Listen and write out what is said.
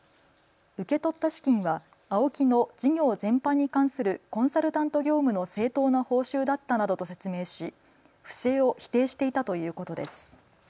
受け取った資金はＡＯＫＩの事業全般に関するコンサルタント業務の正当な報酬だったなどと説明し不正を否定していたということです。